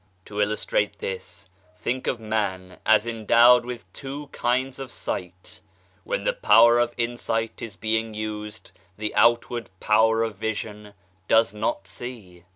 To illustrate this, think of man as endowed with two kinds of sight : when the power of insight is being used the outward power of vision does not see.